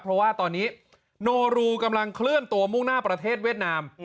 เพราะว่าตอนนี้โนรูกำลังเคลื่อนตัวมุ่งหน้าประเทศเวียดนาม